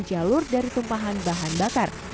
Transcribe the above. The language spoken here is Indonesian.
jalur dari tumpahan bahan bakar